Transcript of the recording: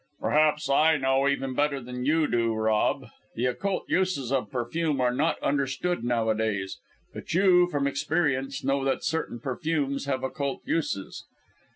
"Perhaps I know even better than you do, Rob. The occult uses of perfume are not understood nowadays; but you, from experience, know that certain perfumes have occult uses.